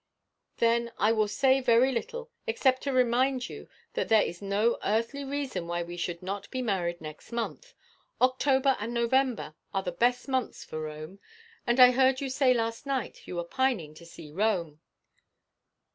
'Then I will say very little, except to remind you that there is no earthly reason why we should not be married next month. October and November are the best months for Rome, and I heard you say last night you were pining to see Rome.'